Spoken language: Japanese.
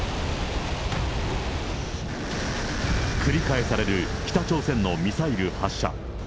繰り返される北朝鮮のミサイル発射。